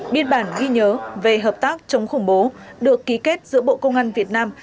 biên bản ghi nhớ về hợp tác chống khủng bố được ký kết giữa bộ công an việt nam